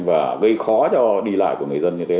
và gây khó cho đi lại của người dân như thế